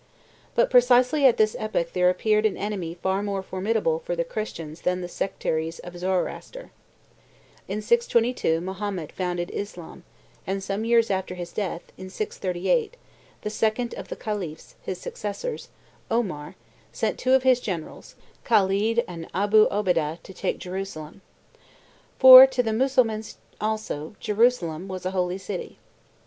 But precisely at this epoch there appeared an enemy far more formidable for the Christians than the sectaries of Zoroaster. In 622 Mahomet founded Islamism; and some years after his death, in 638, the second of the khalifs, his successors, Omar, sent two of his generals, Khaled and Abou Obeidah, to take Jerusalem. For to the Mussulmans, also, Jerusalem was a holy city.